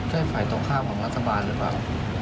ใช่ฝ่ายตรงข้ามของรัฐบาลหรือเปล่า